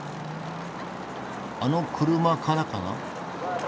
あの車からかな？